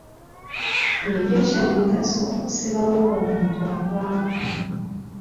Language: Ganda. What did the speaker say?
Bulijjo kya mugaso okusibawo ng'omuntu avaawo.